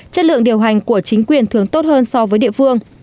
chất lượng điều hành của chính quyền thường tốt hơn so với địa phương